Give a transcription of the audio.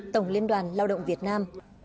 tổng liên đoàn lao động việt nam